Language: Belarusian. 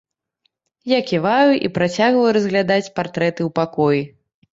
Я ківаю і працягваю разглядаць партрэты ў пакоі.